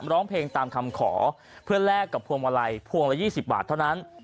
ร้องเพลงตามคำขอเพื่อแลกกับพวงมาลัยพวงละ๒๐บาทเท่านั้น